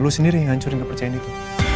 lo sendiri yang hancurin kepercayaan itu